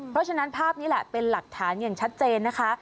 เพราะฉะนั้นภาพนี้แหละเป็นหลักฐานอย่างชัดเจนนะคะ